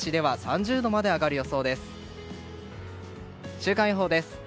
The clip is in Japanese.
週間予報です。